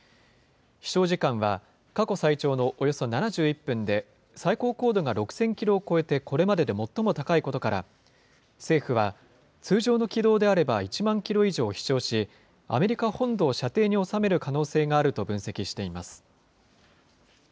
飛しょう時間は過去最長のおよそ７１分で、最高高度が６０００キロを超えて、これまでで最も高いことから、政府は、通常の軌道であれば１万キロ以上飛しょうし、アメリカ本土を射程に収める可能性があると分析しています。